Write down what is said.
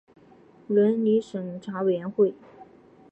伦理审查委员会